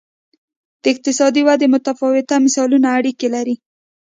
د اقتصادي ودې متفاوت مثالونه اړیکه لري.